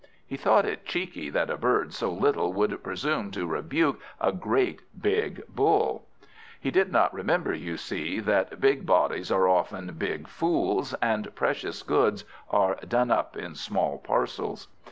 He thought it cheeky that a bird so little should presume to rebuke a great big Bull. He did not remember, you see, that big bodies are often big fools, and precious goods are done up in small parcels.